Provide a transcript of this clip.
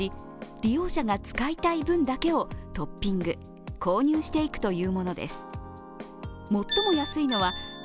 利用者が使いたい分だけをトッピング、購入していくというものです。